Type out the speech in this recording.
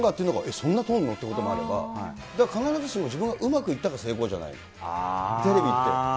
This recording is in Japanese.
そんな取るの？ってこともあれば、だから必ずしも自分がうまくいったから成功じゃない、テレビって。